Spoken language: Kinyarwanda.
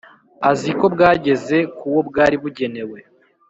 aziko bwageze ku wo bwari bugenewe.